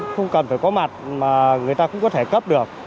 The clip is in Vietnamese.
không cần phải có mặt mà người ta cũng có thể cấp được